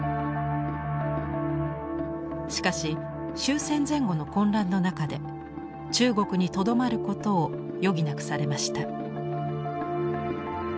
しかし終戦前後の混乱の中で中国にとどまることを余儀なくされました。